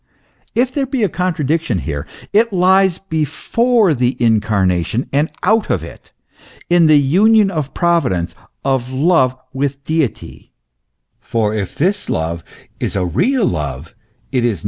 If there be a contradiction here, it lies before the incarnation and out of it; in the union of provi dence, of love, with deity ; for if this love is a real love, it is 56 THE ESSENCE OF CHRISTIANITY.